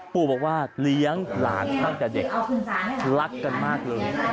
ปู่บอกว่าเลี้ยงหลานตั้งแต่เด็กรักกันมากเลย